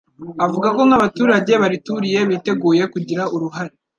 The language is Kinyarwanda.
avuga ko nk'abaturage barituriye biteguye kugira uruhare